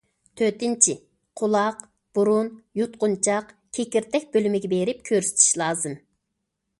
تۆتىنچى، قۇلاق، بۇرۇن، يۇتقۇنچاق، كېكىردەك بۆلۈمىگە بېرىپ كۆرسىتىش لازىم.